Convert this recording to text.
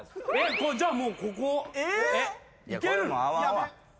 じゃあもうここいけるの？